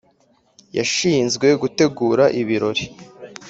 yashinzwe gutegura ibirori.